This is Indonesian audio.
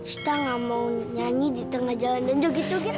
setelah gak mau nyanyi di tengah jalan dan joget joget